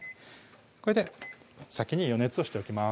これで先に予熱をしておきます